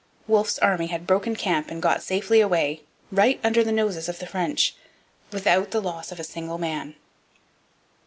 Wolfe's army had broken camp and got safely away, right under the noses of the French, without the loss of a single man.